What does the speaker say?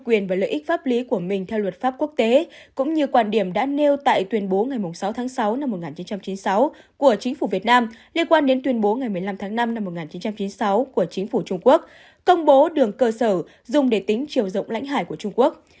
quyền và lợi ích pháp lý của mình theo luật pháp quốc tế cũng như quan điểm đã nêu tại tuyên bố ngày sáu tháng sáu năm một nghìn chín trăm chín mươi sáu của chính phủ việt nam liên quan đến tuyên bố ngày một mươi năm tháng năm năm một nghìn chín trăm chín mươi sáu của chính phủ trung quốc công bố đường cơ sở dùng để tính chiều rộng lãnh hải của trung quốc